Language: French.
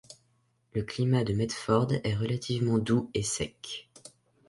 Le climat de Medford est relativement doux et sec.